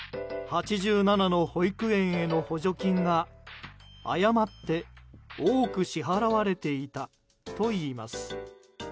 ８７の保育園への補助金が誤って多く支払われていたといいます。